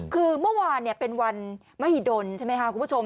คือเมื่อวานเป็นวันมหิดลใช่ไหมคะคุณผู้ชม